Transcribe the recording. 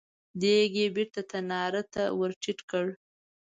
دېګ يې بېرته تناره ته ور ټيټ کړ.